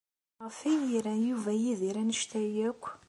Maɣef ay ira Yuba Yidir anect-a akk?